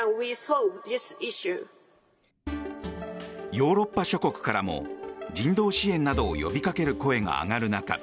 ヨーロッパ諸国からも人道支援などを呼びかける声が上がる中